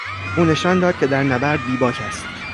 او نشان داد که در نبرد بیباک است.